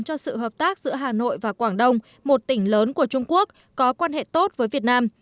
cho sự hợp tác giữa hà nội và quảng đông một tỉnh lớn của trung quốc có quan hệ tốt với việt nam